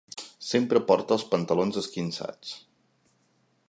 Sempre porta els pantalons esquinçats.